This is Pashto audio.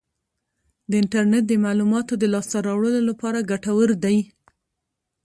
د انټرنیټ د معلوماتو د لاسته راوړلو لپاره ګټور دی.